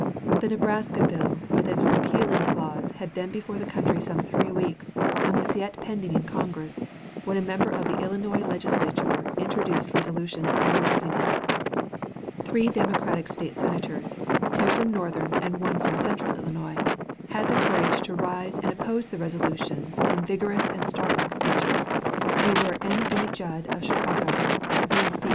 The Nebraska bill with its repealing clause had been before the country some three weeks and was yet pending in Congress when a member of the Illinois Legislature introduced resolutions indorsing it. Three Democratic State Senators, two from northern and one from central Illinois, had the courage to rise and oppose the resolutions in vigorous and startling speeches. They were N. B. Judd, of Chicago, B. C.